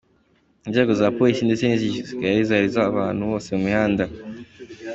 Inzego za Polisi ndetse n’Igisirikare zari ahantu hose mu mihanda.